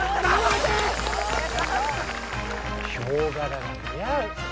ヒョウ柄が似合う。